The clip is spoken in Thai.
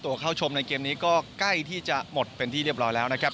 เข้าชมในเกมนี้ก็ใกล้ที่จะหมดเป็นที่เรียบร้อยแล้วนะครับ